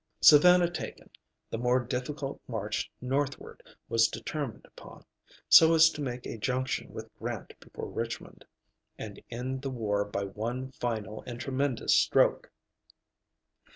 Savannah taken, the more difficult march northward was determined upon, so as to make a junction with Grant before Richmond, and end the war by one final and tremendous stroke.